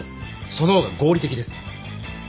その方が合理的です。